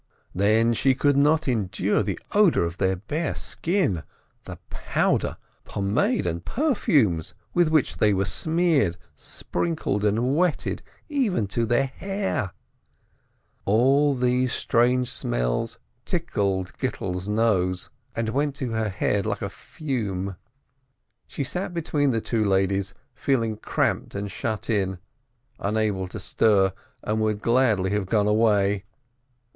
Then she could not endure the odor of their bare skin, the powder, pomade, and perfumes with which they were smeared, sprinkled, and wetted, even to their hair. All these strange smells tickled Gittel's nose, and went to her A GLOOMY WEDDING 101 head like a fume. She sat between the two ladies, feeling cramped and shut in, unable to stir, and would gladly have gone away.